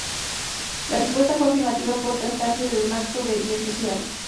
La respuesta fue afirmativa por tratarse de un acto de bien social.